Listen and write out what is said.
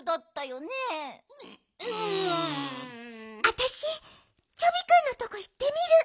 あたしチョビくんのとこいってみる。